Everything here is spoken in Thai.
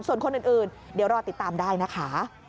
ส่วนคนอื่นเดี๋ยวรอติดตามได้นะคะ